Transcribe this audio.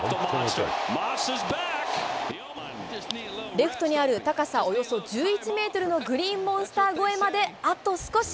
レフトにある、高さおよそ１１メートルのグリーンモンスター越えまであと少し。